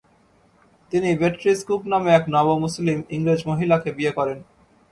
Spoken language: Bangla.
তিনি বেট্রিস কুক নামে এক নবমুসলিম ইংরেজ মহিলাকে বিয়ে করেন।